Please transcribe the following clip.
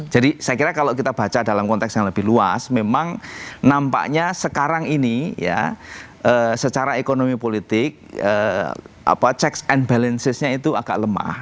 jadi saya kira kalau kita baca dalam konteks yang lebih luas memang nampaknya sekarang ini ya secara ekonomi politik check and balancesnya itu agak lemah